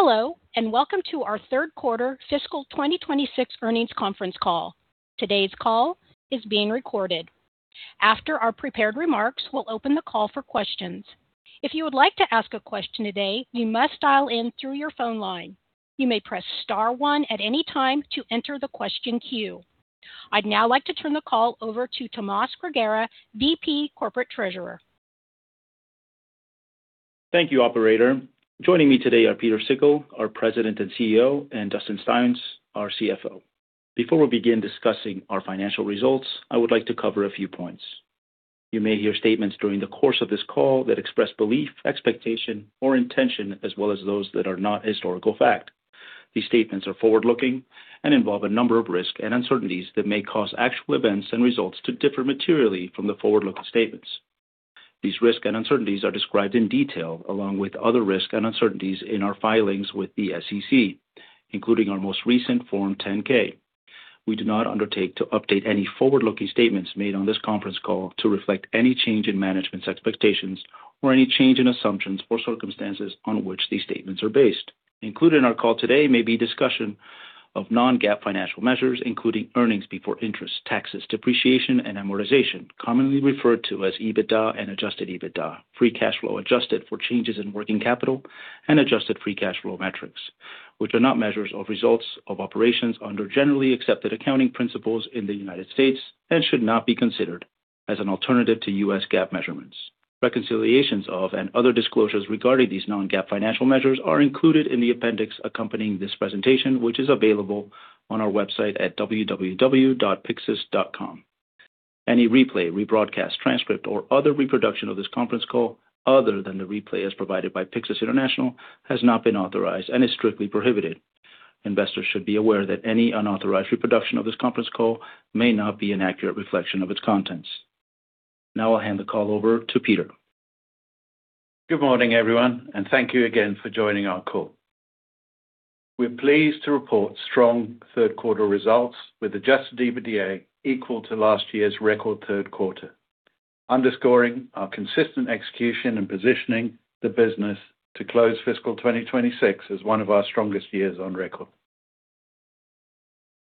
Hello, and welcome to our third quarter fiscal 2026 earnings conference call. Today's call is being recorded. After our prepared remarks, we'll open the call for questions. If you would like to ask a question today, you must dial in through your phone line. You may press star one at any time to enter the question queue. I'd now like to turn the call over to Tomas Grigera, VP Corporate Treasurer. Thank you, operator. Joining me today are Pieter Sikkel, our President and CEO, and Dustin Styons, our CFO. Before we begin discussing our financial results, I would like to cover a few points. You may hear statements during the course of this call that express belief, expectation, or intention, as well as those that are not historical fact. These statements are forward-looking and involve a number of risks and uncertainties that may cause actual events and results to differ materially from the forward-looking statements. These risks and uncertainties are described in detail, along with other risks and uncertainties in our filings with the SEC, including our most recent Form 10-K. We do not undertake to update any forward-looking statements made on this conference call to reflect any change in management's expectations or any change in assumptions or circumstances on which these statements are based. Included in our call today may be discussion of non-GAAP financial measures, including earnings before interest, taxes, depreciation, and amortization, commonly referred to as EBITDA and adjusted EBITDA. Free cash flow, adjusted for changes in working capital and adjusted free cash flow metrics, which are not measures of results of operations under generally accepted accounting principles in the United States and should not be considered as an alternative to U.S. GAAP measurements. Reconciliations of, and other disclosures regarding these non-GAAP financial measures are included in the appendix accompanying this presentation, which is available on our website at www.pyxus.com. Any replay, rebroadcast, transcript, or other reproduction of this conference call other than the replay as provided by Pyxus International, has not been authorized and is strictly prohibited. Investors should be aware that any unauthorized reproduction of this conference call may not be an accurate reflection of its contents. Now I'll hand the call over to Pieter. Good morning, everyone, and thank you again for joining our call. We're pleased to report strong third quarter results with Adjusted EBITDA equal to last year's record third quarter, underscoring our consistent execution and positioning the business to close fiscal 2026 as one of our strongest years on record.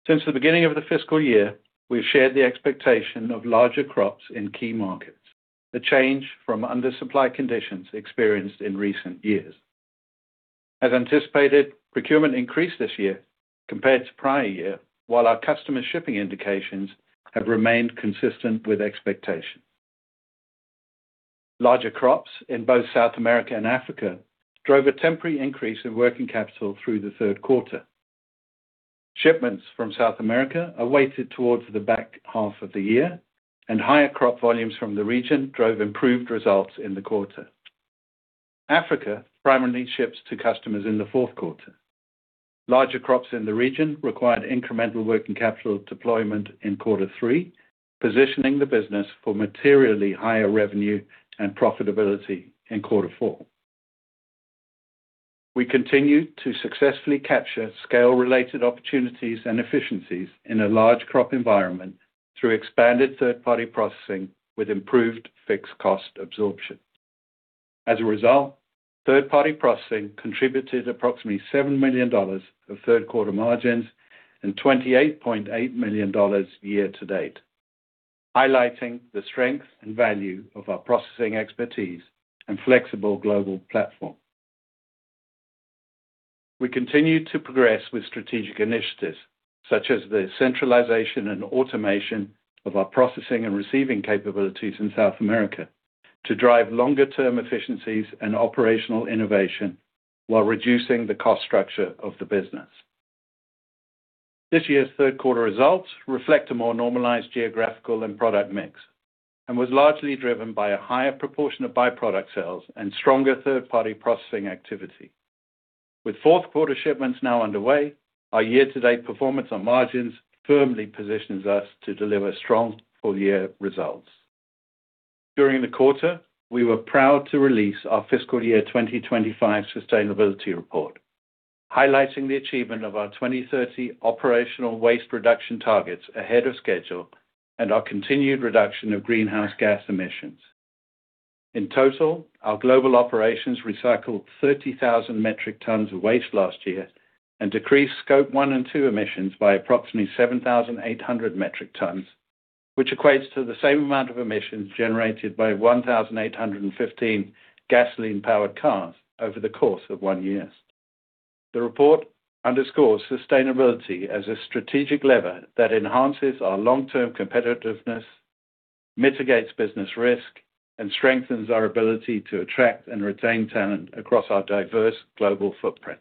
Since the beginning of the fiscal year, we've shared the expectation of larger crops in key markets, the change from undersupply conditions experienced in recent years. As anticipated, procurement increased this year compared to prior year, while our customer shipping indications have remained consistent with expectation. Larger crops in both South America and Africa drove a temporary increase in working capital through the third quarter. Shipments from South America are weighted towards the back half of the year, and higher crop volumes from the region drove improved results in the quarter. Africa primarily ships to customers in the fourth quarter. Larger crops in the region required incremental working capital deployment in quarter three, positioning the business for materially higher revenue and profitability in quarter four. We continued to successfully capture scale-related opportunities and efficiencies in a large crop environment through expanded third-party processing with improved fixed cost absorption. As a result, third-party processing contributed approximately $7 million of third-quarter margins and $28.8 million year to date, highlighting the strength and value of our processing expertise and flexible global platform. We continue to progress with strategic initiatives such as the centralization and automation of our processing and receiving capabilities in South America to drive longer-term efficiencies and operational innovation while reducing the cost structure of the business. This year's third quarter results reflect a more normalized geographical and product mix and was largely driven by a higher proportion of by-product sales and stronger third-party processing activity. With fourth quarter shipments now underway, our year-to-date performance on margins firmly positions us to deliver strong full-year results. During the quarter, we were proud to release our fiscal year 2025 sustainability report, highlighting the achievement of our 2030 operational waste reduction targets ahead of schedule and our continued reduction of greenhouse gas emissions. In total, our global operations recycled 30,000 metric tons of waste last year and decreased scope one and two emissions by approximately 7,800 metric tons, which equates to the same amount of emissions generated by 1,815 gasoline-powered cars over the course of one year. The report underscores sustainability as a strategic lever that enhances our long-term competitiveness, mitigates business risk, and strengthens our ability to attract and retain talent across our diverse global footprint.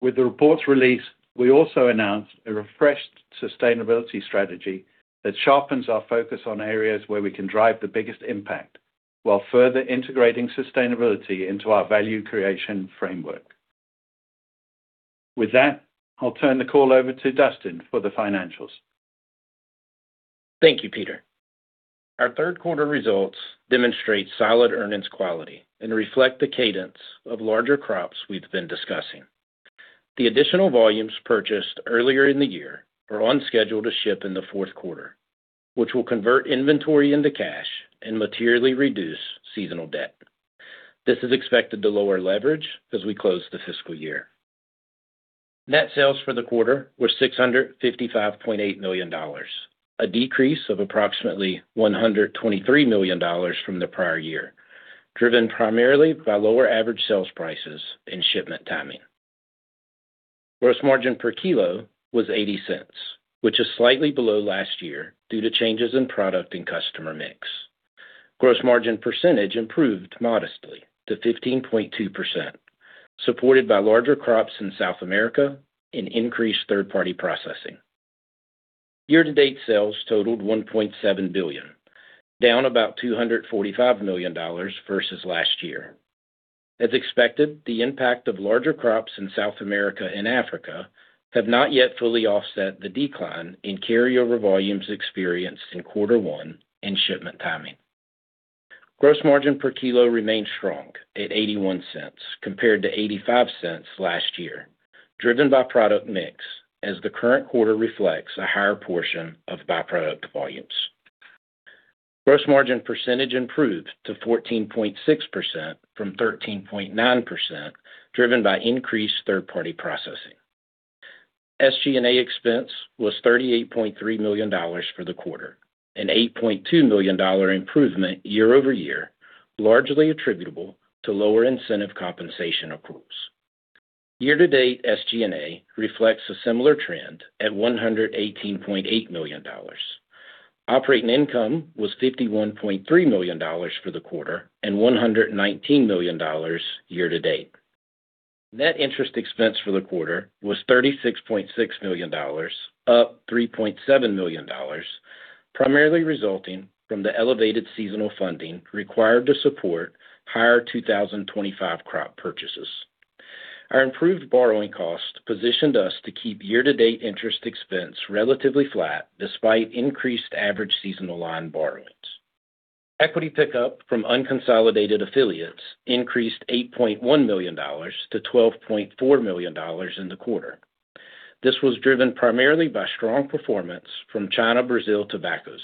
With the report's release, we also announced a refreshed sustainability strategy that sharpens our focus on areas where we can drive the biggest impact, while further integrating sustainability into our value creation framework. With that, I'll turn the call over to Dustin for the financials. Thank you, Pieter. Our third quarter results demonstrate solid earnings quality and reflect the cadence of larger crops we've been discussing.... The additional volumes purchased earlier in the year are on schedule to ship in the fourth quarter, which will convert inventory into cash and materially reduce seasonal debt. This is expected to lower leverage as we close the fiscal year. Net sales for the quarter were $655.8 million, a decrease of approximately $123 million from the prior year, driven primarily by lower average sales prices and shipment timing. Gross margin per kilo was $0.80, which is slightly below last year due to changes in product and customer mix. Gross margin percentage improved modestly to 15.2%, supported by larger crops in South America and increased third-party processing. Year-to-date sales totaled $1.7 billion, down about $245 million versus last year. As expected, the impact of larger crops in South America and Africa have not yet fully offset the decline in carryover volumes experienced in Quarter One and shipment timing. Gross margin per kilo remained strong at $0.81 compared to $0.85 last year, driven by product mix, as the current quarter reflects a higher portion of byproduct volumes. Gross margin percentage improved to 14.6% from 13.9%, driven by increased third-party processing. SG&A expense was $38.3 million for the quarter, an $8.2 million improvement year-over-year, largely attributable to lower incentive compensation accruals. Year-to-date SG&A reflects a similar trend at $118.8 million. Operating income was $51.3 million for the quarter and $119 million year to date. Net interest expense for the quarter was $36.6 million, up $3.7 million, primarily resulting from the elevated seasonal funding required to support higher 2025 crop purchases. Our improved borrowing cost positioned us to keep year-to-date interest expense relatively flat, despite increased average seasonal line borrowings. Equity pickup from unconsolidated affiliates increased $8.1 million to $12.4 million in the quarter. This was driven primarily by strong performance from China Brasil Tobacos,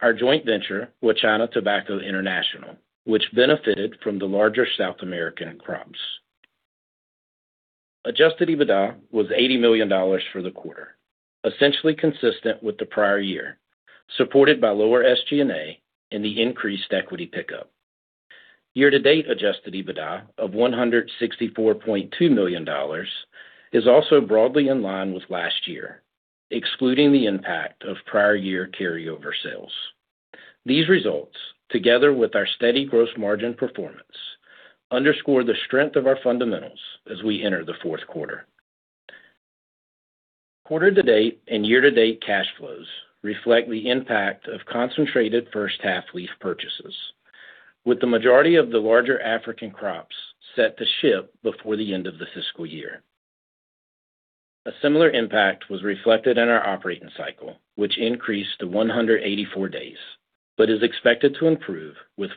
our joint venture with China Tobacco International, which benefited from the larger South American crops. Adjusted EBITDA was $80 million for the quarter, essentially consistent with the prior year, supported by lower SG&A and the increased equity pickup. Year-to-date Adjusted EBITDA of $164.2 million is also broadly in line with last year, excluding the impact of prior year carryover sales. These results, together with our steady gross margin performance, underscore the strength of our fundamentals as we enter the fourth quarter. Quarter-to-date and year-to-date cash flows reflect the impact of concentrated first half leaf purchases, with the majority of the larger African crops set to ship before the end of the fiscal year. A similar impact was reflected in our operating cycle, which increased to 184 days, but is expected to improve with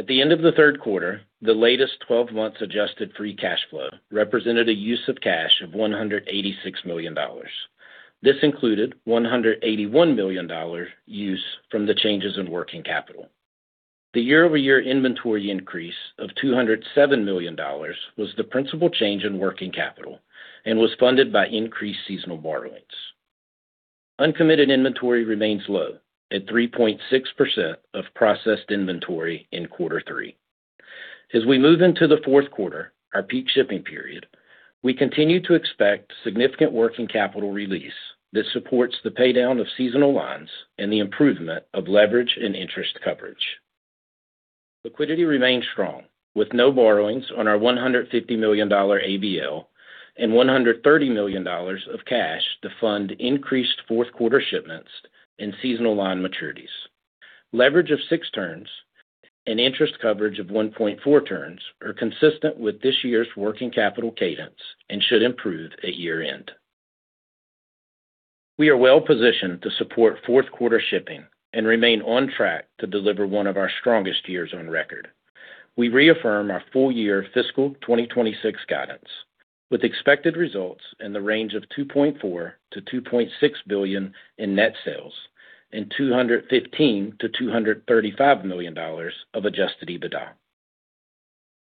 fourth quarter shipments. At the end of the third quarter, the latest 12 months adjusted free cash flow represented a use of cash of $186 million. This included $181 million use from the changes in working capital. The year-over-year inventory increase of $207 million was the principal change in working capital and was funded by increased seasonal borrowings. Uncommitted inventory remains low at 3.6% of processed inventory in Quarter Three. As we move into the fourth quarter, our peak shipping period, we continue to expect significant working capital release that supports the paydown of seasonal lines and the improvement of leverage and interest coverage. Liquidity remains strong, with no borrowings on our $150 million ABL and $130 million of cash to fund increased fourth quarter shipments and seasonal line maturities. Leverage of 6 turns and interest coverage of 1.4 turns are consistent with this year's working capital cadence and should improve at year-end. We are well positioned to support fourth quarter shipping and remain on track to deliver one of our strongest years on record. We reaffirm our full-year fiscal 2026 guidance, with expected results in the range of $2.4-$2.6 billion in net sales and $215-$235 million of Adjusted EBITDA.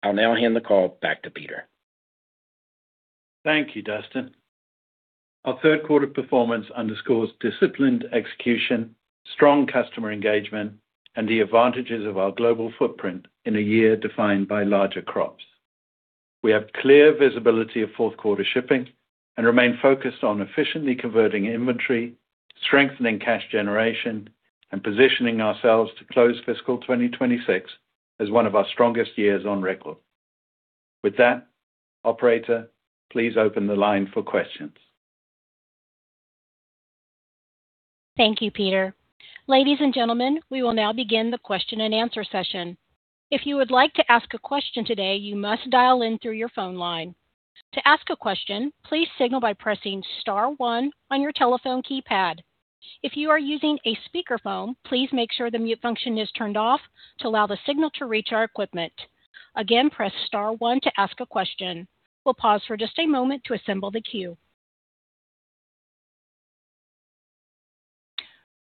I'll now hand the call back to Pieter. Thank you, Dustin. Our third quarter performance underscores disciplined execution, strong customer engagement, and the advantages of our global footprint in a year defined by larger crops. We have clear visibility of fourth quarter shipping and remain focused on efficiently converting inventory, strengthening cash generation, and positioning ourselves to close fiscal 2026 as one of our strongest years on record. With that, operator, please open the line for questions. Thank you, Pieter. Ladies and gentlemen, we will now begin the question and answer session. If you would like to ask a question today, you must dial in through your phone line. To ask a question, please signal by pressing star one on your telephone keypad.... If you are using a speakerphone, please make sure the mute function is turned off to allow the signal to reach our equipment. Again, press star one to ask a question. We'll pause for just a moment to assemble the queue.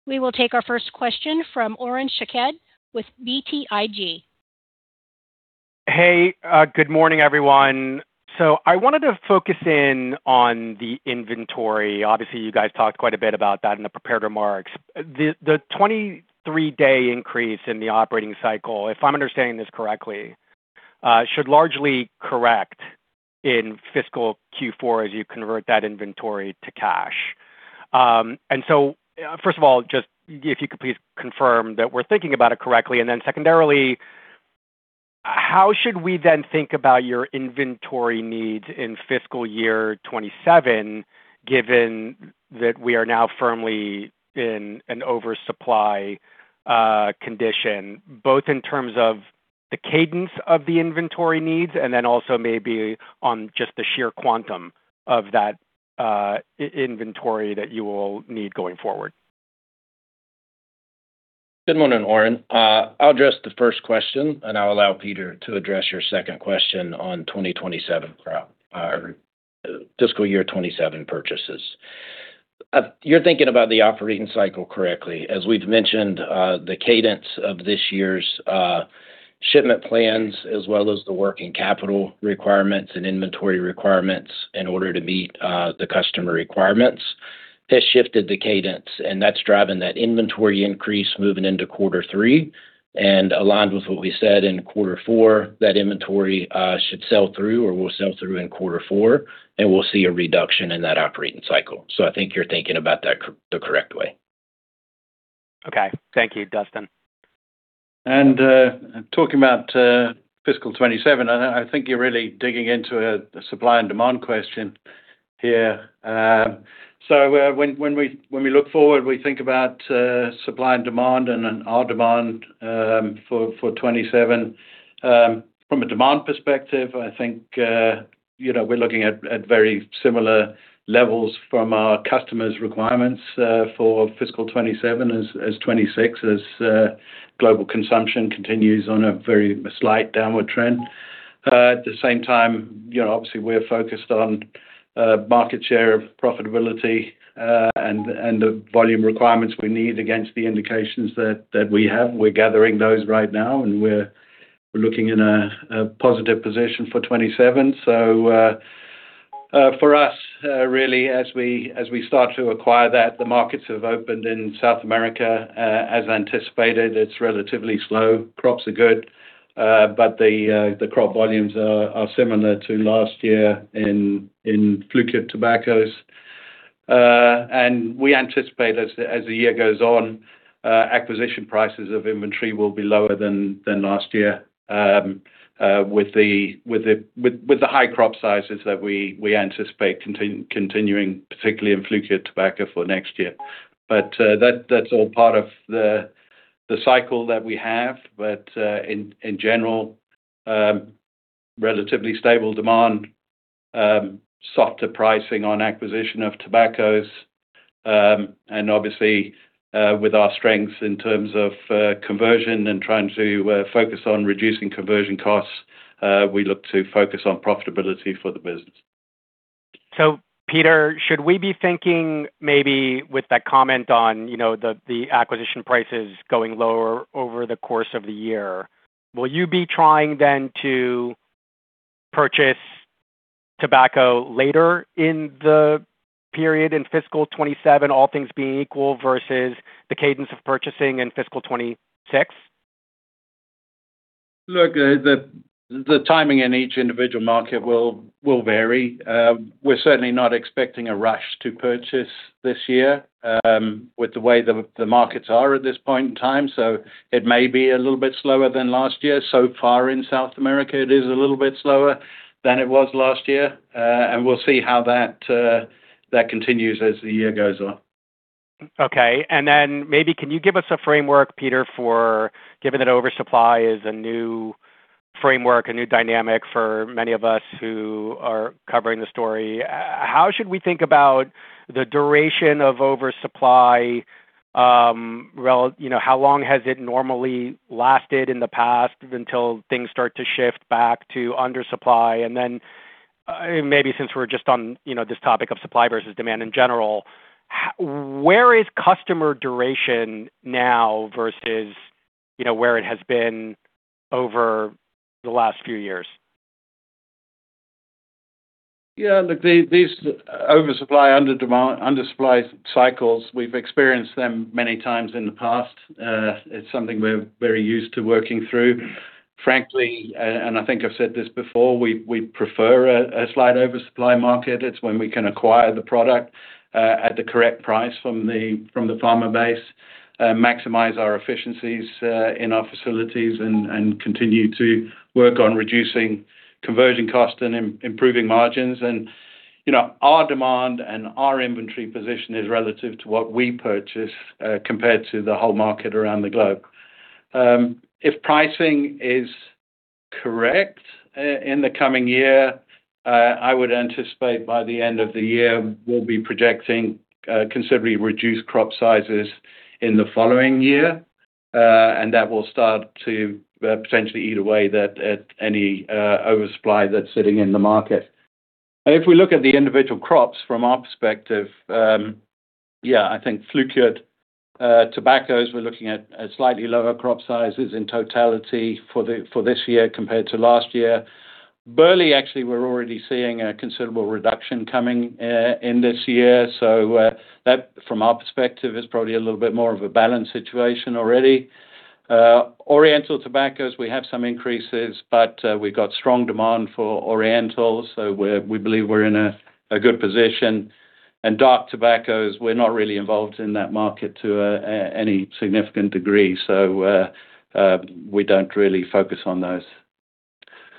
We will take our first question from Oren Shaked with BTIG. Hey, good morning, everyone. I wanted to focus in on the inventory. Obviously, you guys talked quite a bit about that in the prepared remarks. The 23-day increase in the operating cycle, if I'm understanding this correctly, should largely correct in fiscal Q4 as you convert that inventory to cash. First of all, just if you could please confirm that we're thinking about it correctly, and then secondarily, how should we then think about your inventory needs in fiscal year 2027, given that we are now firmly in an oversupply condition, both in terms of the cadence of the inventory needs and then also maybe on just the sheer quantum of that inventory that you will need going forward? Good morning, Oren. I'll address the first question, and I'll allow Pieter to address your second question on 2027 fiscal year 2027 purchases. You're thinking about the operating cycle correctly. As we've mentioned, the cadence of this year's shipment plans, as well as the working capital requirements and inventory requirements in order to meet the customer requirements, has shifted the cadence, and that's driving that inventory increase moving into quarter three. And aligned with what we said in quarter four, that inventory should sell through or will sell through in quarter four, and we'll see a reduction in that operating cycle. So I think you're thinking about that the correct way. Okay. Thank you, Dustin. Talking about fiscal 2027, I think you're really digging into a supply and demand question here. When we look forward, we think about supply and demand and then our demand for 2027. From a demand perspective, I think you know, we're looking at very similar levels from our customers' requirements for fiscal 2027 as 2026, as global consumption continues on a very slight downward trend. At the same time, you know, obviously, we're focused on market share, profitability, and the volume requirements we need against the indications that we have. We're gathering those right now, and we're looking in a positive position for 2027. So, for us, really, as we start to acquire that, the markets have opened in South America, as anticipated. It's relatively slow. Crops are good, but the crop volumes are similar to last year in flue-cured tobaccos. And we anticipate as the year goes on, acquisition prices of inventory will be lower than last year, with the high crop sizes that we anticipate continuing, particularly in flue-cured tobacco for next year. But, that's all part of the cycle that we have. In general, relatively stable demand, softer pricing on acquisition of tobaccos, and obviously, with our strengths in terms of conversion and trying to focus on reducing conversion costs, we look to focus on profitability for the business. So, Pieter, should we be thinking maybe with that comment on, you know, the acquisition prices going lower over the course of the year, will you be trying then to purchase tobacco later in the period, in fiscal 2027, all things being equal, versus the cadence of purchasing in fiscal 2026? Look, the timing in each individual market will vary. We're certainly not expecting a rush to purchase this year, with the way the markets are at this point in time, so it may be a little bit slower than last year. So far in South America, it is a little bit slower than it was last year, and we'll see how that continues as the year goes on. Okay, and then maybe can you give us a framework, Pieter, for, given that oversupply is a new framework, a new dynamic for many of us who are covering the story, how should we think about the duration of oversupply, You know, how long has it normally lasted in the past until things start to shift back to undersupply? And then, maybe since we're just on, you know, this topic of supply versus demand in general, where is customer duration now versus, you know, where it has been over the last few years? Yeah, look, these, these oversupply, under demand, undersupply cycles, we've experienced them many times in the past. It's something we're very used to working through. Frankly, and I think I've said this before, we, we prefer a, a slight oversupply market. It's when we can acquire the product at the correct price from the, from the farmer base, maximize our efficiencies in our facilities, and, and continue to work on reducing conversion cost and improving margins. And, you know, our demand and our inventory position is relative to what we purchase compared to the whole market around the globe. Correct. In the coming year, I would anticipate by the end of the year, we'll be projecting considerably reduced crop sizes in the following year. And that will start to potentially eat away at any oversupply that's sitting in the market. If we look at the individual crops from our perspective, yeah, I think flue-cured tobaccos, we're looking at slightly lower crop sizes in totality for this year compared to last year. Burley, actually, we're already seeing a considerable reduction coming in this year. So, that, from our perspective, is probably a little bit more of a balanced situation already. Oriental tobaccos, we have some increases, but, we've got strong demand for Orientals, so we believe we're in a good position. And dark tobaccos, we're not really involved in that market to any significant degree, so, we don't really focus on those.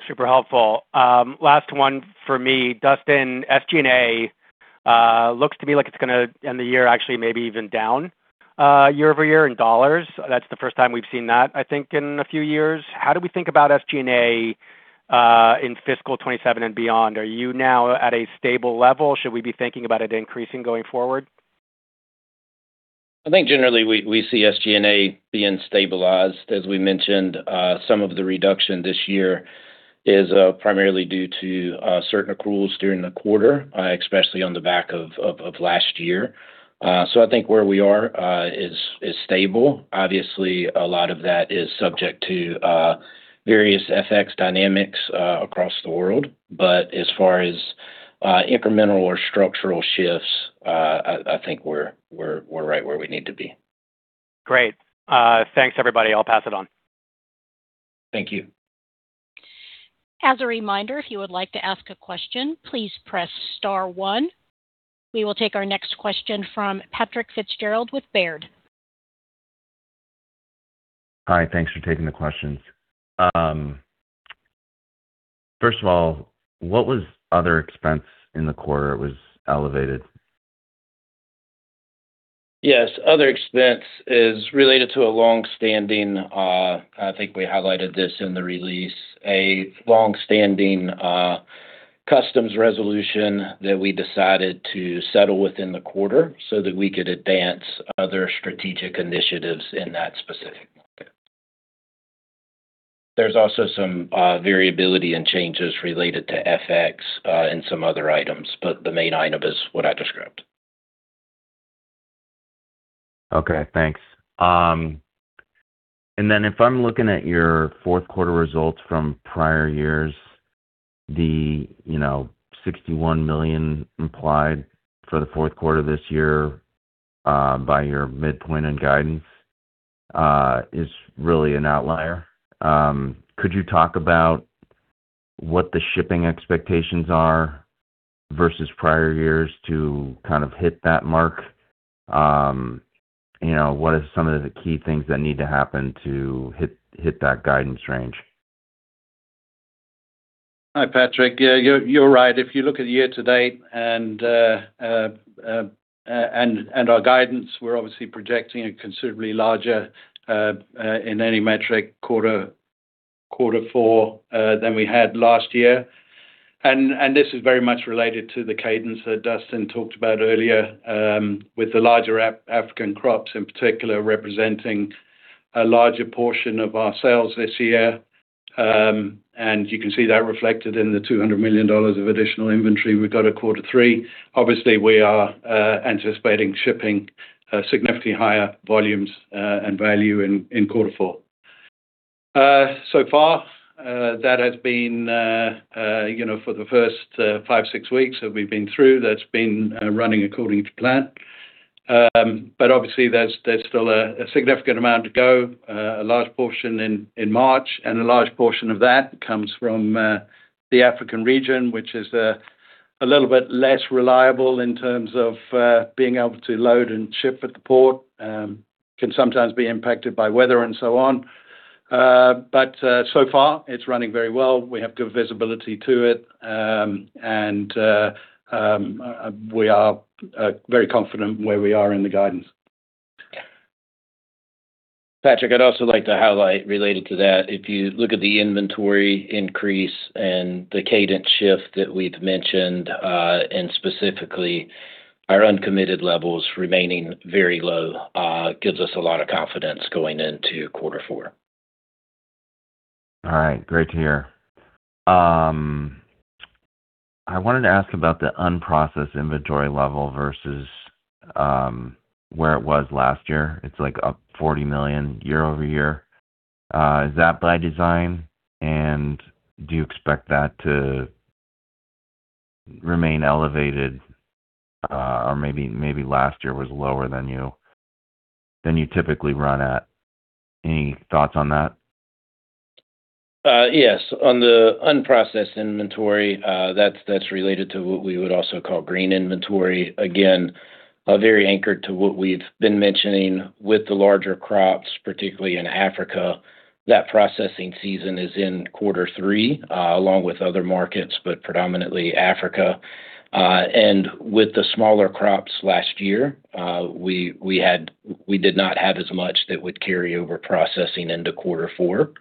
Super helpful. Last one for me, Dustin. SG&A looks to me like it's gonna end the year, actually, maybe even down year-over-year in dollars. That's the first time we've seen that, I think, in a few years. How do we think about SG&A in fiscal 2027 and beyond? Are you now at a stable level? Should we be thinking about it increasing going forward? I think generally we see SG&A being stabilized. As we mentioned, some of the reduction this year is primarily due to certain accruals during the quarter, especially on the back of last year. So I think where we are is stable. Obviously, a lot of that is subject to various FX dynamics across the world. But as far as incremental or structural shifts, I think we're right where we need to be. Great. Thanks, everybody. I'll pass it on. Thank you. As a reminder, if you would like to ask a question, please press star one. We will take our next question from Patrick Fitzgerald with Baird. Hi, thanks for taking the questions. First of all, what was other expense in the quarter? It was elevated. Yes, other expense is related to a long-standing, I think we highlighted this in the release, a long-standing, customs resolution that we decided to settle within the quarter so that we could advance other strategic initiatives in that specific. There's also some variability and changes related to FX and some other items, but the main item is what I described. Okay, thanks. And then if I'm looking at your fourth quarter results from prior years, the, you know, $61 million implied for the fourth quarter this year, by your midpoint in guidance, is really an outlier. Could you talk about what the shipping expectations are versus prior years to kind of hit that mark? You know, what are some of the key things that need to happen to hit, hit that guidance range? Hi, Patrick. Yeah, you're right. If you look at the year to date and our guidance, we're obviously projecting a considerably larger quarter four in any metric than we had last year. And this is very much related to the cadence that Dustin talked about earlier, with the larger African crops, in particular, representing a larger portion of our sales this year. And you can see that reflected in the $200 million of additional inventory we've got at quarter three. Obviously, we are anticipating shipping significantly higher volumes and value in quarter four. So far, that has been you know, for the first five, six weeks that we've been through, that's been running according to plan. But obviously, there's still a significant amount to go, a large portion in March, and a large portion of that comes from the African region, which is a little bit less reliable in terms of being able to load and ship at the port, can sometimes be impacted by weather and so on. But so far, it's running very well. We have good visibility to it, and we are very confident where we are in the guidance. Patrick, I'd also like to highlight, related to that, if you look at the inventory increase and the cadence shift that we've mentioned, and specifically our uncommitted levels remaining very low, gives us a lot of confidence going into quarter four. All right. Great to hear. I wanted to ask about the unprocessed inventory level versus where it was last year. It's like up $40 million year-over-year. Is that by design? And do you expect that to remain elevated, or maybe, maybe last year was lower than you, than you typically run at? Any thoughts on that? Yes. On the unprocessed inventory, that's related to what we would also call green inventory. Again, very anchored to what we've been mentioning with the larger crops, particularly in Africa. That processing season is in quarter three, along with other markets, but predominantly Africa. And with the smaller crops last year, we did not have as much that would carry over processing into quarter four,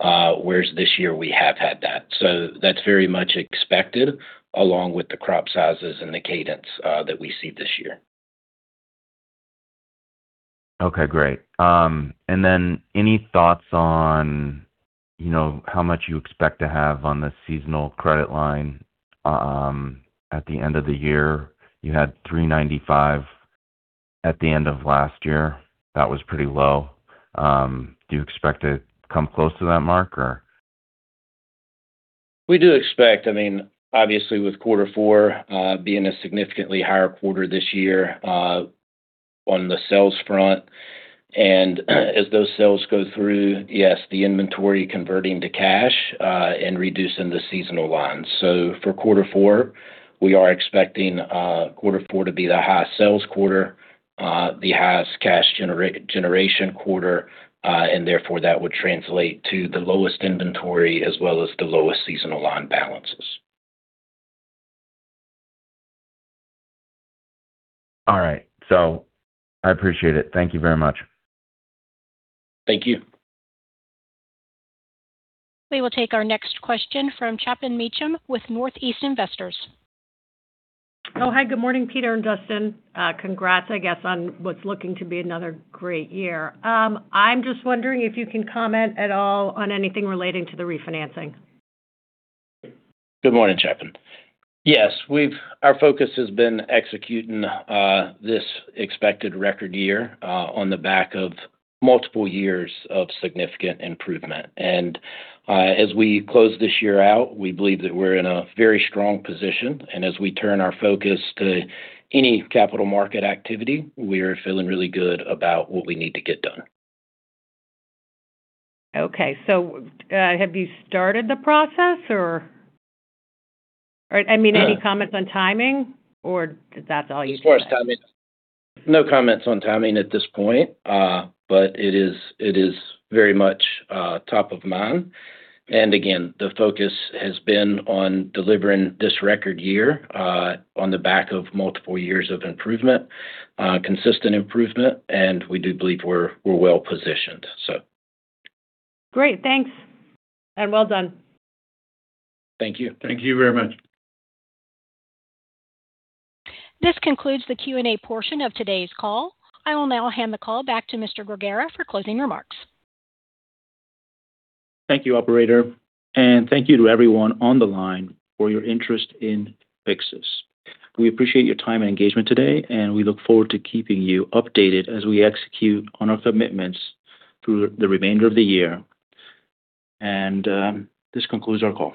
whereas this year we have had that. So that's very much expected, along with the crop sizes and the cadence, that we see this year.... Okay, great. And then any thoughts on, you know, how much you expect to have on the seasonal credit line, at the end of the year? You had $395 at the end of last year. That was pretty low. Do you expect to come close to that mark or? We do expect, I mean, obviously with quarter four being a significantly higher quarter this year on the sales front. And, as those sales go through, yes, the inventory converting to cash and reducing the seasonal lines. So for quarter four, we are expecting quarter four to be the highest sales quarter, the highest cash generation quarter, and therefore, that would translate to the lowest inventory as well as the lowest seasonal line balances. All right. I appreciate it. Thank you very much. Thank you. We will take our next question from Chapin Mechem with Northeast Investors Trust. Oh, hi. Good morning, Pieter and Dustin. Congrats, I guess, on what's looking to be another great year. I'm just wondering if you can comment at all on anything relating to the refinancing? Good morning, Chapin. Yes, we've... Our focus has been executing this expected record year on the back of multiple years of significant improvement. As we close this year out, we believe that we're in a very strong position. As we turn our focus to any capital market activity, we are feeling really good about what we need to get done. Okay. So, have you started the process or? I mean, any comments on timing or that's all you can say? As far as timing, no comments on timing at this point, but it is, it is very much, top of mind. And again, the focus has been on delivering this record year, on the back of multiple years of improvement, consistent improvement, and we do believe we're, we're well positioned, so. Great. Thanks, and well done. Thank you. Thank you very much. This concludes the Q&A portion of today's call. I will now hand the call back to Mr. Grigera for closing remarks. Thank you, operator, and thank you to everyone on the line for your interest in Pyxus. We appreciate your time and engagement today, and we look forward to keeping you updated as we execute on our commitments through the remainder of the year. This concludes our call.